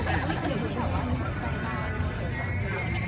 แม่กับผู้วิทยาลัย